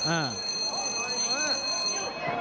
อ่า